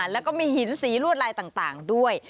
แล้วก็มีหินสีลวดลายต่างด้วย